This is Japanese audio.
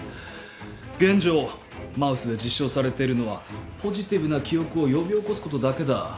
現状マウスで実証されてるのはポジティブな記憶を呼び起こすことだけだ